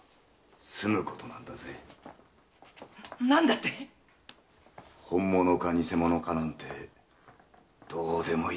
何だって⁉本物か偽物かなんてどうでもいいんだよ。